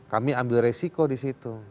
kami ambil resiko disitu